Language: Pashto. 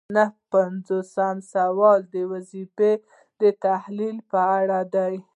نهه پنځوسم سوال د وظیفې د تحلیل په اړه دی.